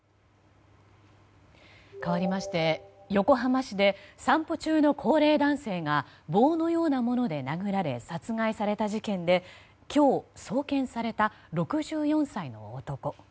かわりまして横浜市で散歩中の高齢男性が棒のようなもので殴られ殺害された事件で今日送検された６４歳の男。